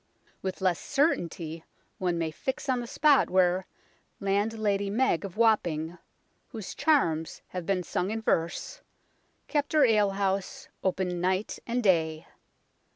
With less certainty one may fix on the spot where " Landlady Meg of Wapping," whose charms have been sung in verse, kept her ale house, open night and day.